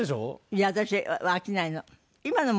いや私は飽きないの。